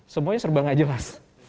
semuanya serba nggak jelas